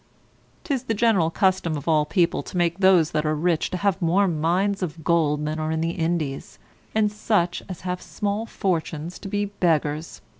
'Tis the general custom of all people to make those that are rich to have more mines of gold than are in the Indies, and such as have small fortunes to be beggars.